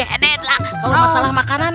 kalau masalah makanan